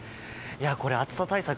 これ、暑さ対策